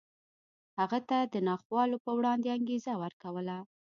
هغه ته یې د ناخوالو په وړاندې انګېزه ورکوله